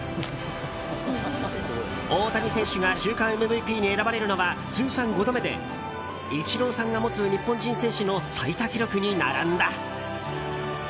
大谷選手が週間ＭＶＰに選ばれるのは通算５度目でイチローさんが持つ日本人選手の最多記録に並んだ。